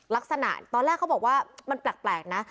ลักษณะตอนแรกเขาบอกว่ามันแปลกนะ